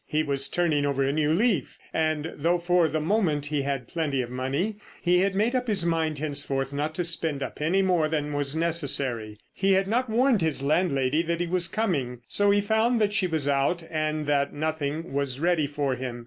He was turning over a new leaf, and, though for the moment he had plenty of money, he had made up his mind henceforth not to spend a penny more than was necessary. He had not warned his landlady that he was coming, so he found that she was out and that nothing was ready for him.